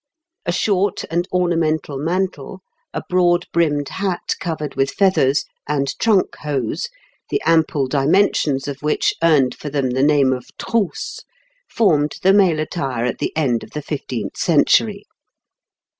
A short and ornamental mantle, a broad brimmed hat covered with feathers, and trunk hose, the ample dimensions of which earned for them the name of trousses, formed the male attire at the end of the fifteenth century.